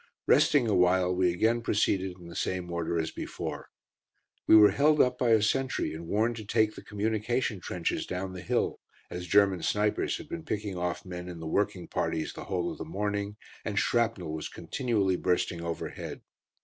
Resting awhile, we again proceeded in the same order as before. We were held up by a sentry, and warned to take to the communication trenches down the hill, as German snipers had been picking off men in the working parties the whole of the morning, and shrapnel was continually bursting overhead.